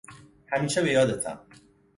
همیشه به یادتم!